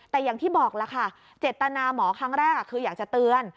แต่อย่างที่บอกล่ะค่ะเจตนาหมอครั้งแรกคืออยากจะเตือน